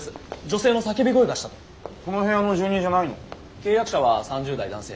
契約者は３０代男性。